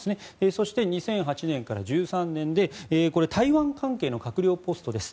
そして２００８年から２０１３年台湾関係の閣僚ポストです。